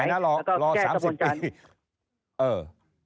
อะไรนะรอสามสิบปี